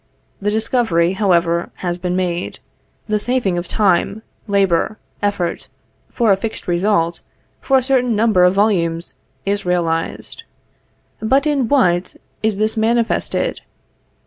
The discovery, however, has been made; the saving of time, labor, effort, for a fixed result, for a certain number of volumes, is realized. But in what is this manifested?